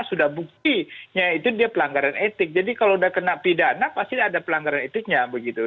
sudah buktinya itu dia pelanggaran etik jadi kalau sudah kena pidana pasti ada pelanggaran etiknya begitu